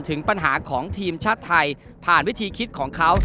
ถึงปัญหาของทีมชาติไทยผ่านวิธีคิดของเขา